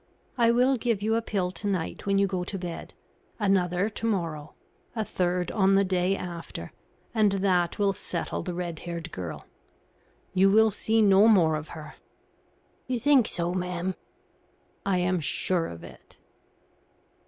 I will give you a pill to night when you go to bed, another to morrow, a third on the day after, and that will settle the red haired girl. You will see no more of her." "You think so, ma'am?" "I am sure of it."